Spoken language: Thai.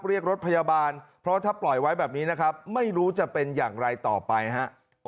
เรียกรถพยาบาลเพราะถ้าปล่อยไว้แบบนี้นะครับไม่รู้จะเป็นอย่างไรต่อไปฮะ